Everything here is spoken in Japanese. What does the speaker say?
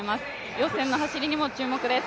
予選の走りにも注目です。